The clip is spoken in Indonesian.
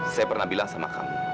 saya pernah bilang sama kamu